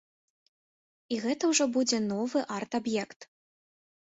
І гэта ўжо будзе новы арт-аб'ект.